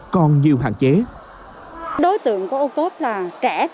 còn nhiều hạn chế